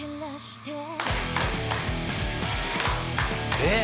えっ？